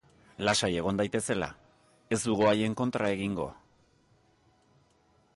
Lasai egon daitezela, ez dugu haien kontra egingo.